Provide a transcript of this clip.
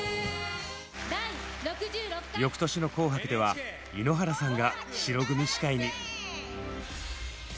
翌年の「紅白」では井ノ原さんが白組司会に！